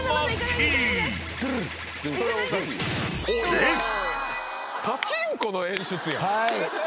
［です！］